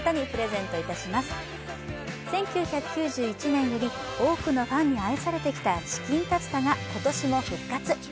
１９９１年より多くのファンに愛されてきたチキンタツタが今年も復活！